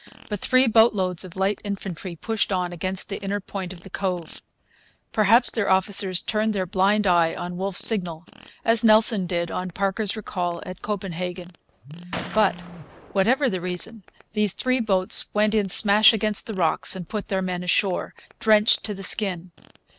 But three boatloads of light infantry pushed on against the inner point of the cove. Perhaps their officers turned their blind eye on Wolfe's signal, as Nelson did on Parker's recall at Copenhagen. But, whatever the reason, these three boats went in smash against the rocks and put their men ashore, drenched to the skin.